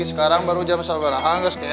sekarang baru jam sabar hangat kek